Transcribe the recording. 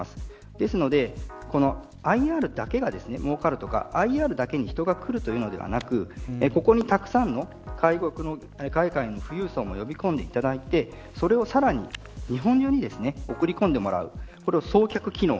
ですのでＩＲだけがもうかるとかＩＲだけに人が来るというのではなくここにたくさんの海外の富裕層も呼び込んでいただいてそれをさらに、日本中に送り込んでもらう。